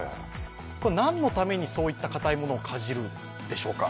これは何のために、そういったかたいものをかじるんでしょうか？